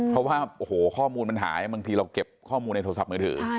เพราะว่าโอ้โหข้อมูลมันหายบางทีเราเก็บข้อมูลในโทรศัพท์มือถือ